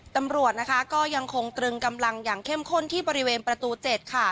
ตำรวจนะคะก็ยังคงตรึงกำลังอย่างเข้มข้นที่บริเวณประตู๗ค่ะ